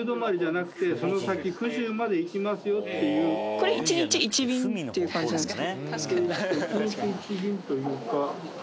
これ１日１便っていう感じですか？